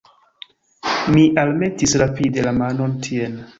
Mi almetis rapide la manon tien.